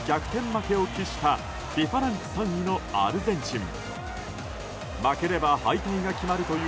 負けを喫したＦＩＦＡランク３位のアルゼンチン。